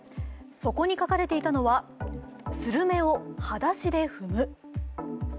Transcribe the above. そこに書かれていたのはスルメをはだしで踏む。